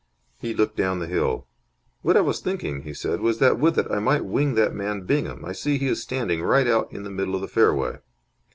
He looked down the hill. "What I was thinking," he said, "was that with it I might wing that man Bingham. I see he is standing right out in the middle of the fairway."